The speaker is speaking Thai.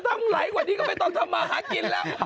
ถ้ามูไหล่กว่านี้ก็ไม่ต้องทำมาหากินละ